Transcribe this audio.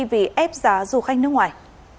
vì ép giá du khách nước ngoài